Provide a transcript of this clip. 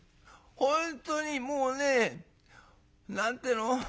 本当にもうね何て言うの？